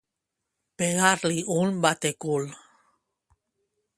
Pegar-li un batecul.